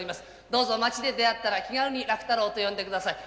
どうぞ街で出会ったら、気軽に楽太郎と呼んでください。